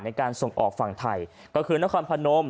ในการส่งออกฝั่งไทยก็คือนครพนม